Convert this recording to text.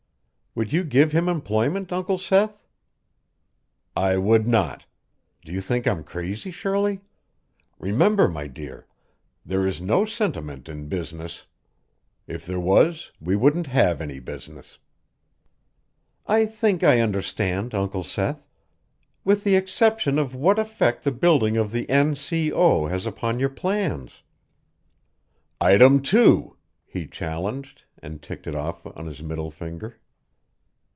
"Would you give him employment, Uncle Seth?" "I would not. Do you think I'm crazy, Shirley? Remember, my dear, there is no sentiment in business. If there was, we wouldn't have any business." "I think I understand, Uncle Seth with the exception of what effect the building of the N. C. O. has upon your plans." "Item two," he challenged, and ticked it off on his middle finger.